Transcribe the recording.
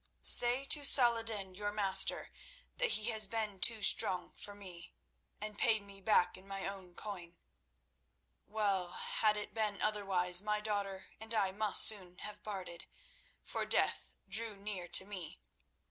"Say to Saladin, your master, that he has been too strong for me, and paid me back in my own coin. Well, had it been otherwise, my daughter and I must soon have parted, for death drew near to me.